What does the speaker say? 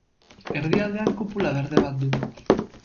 Erdialdean kupula berde bat du.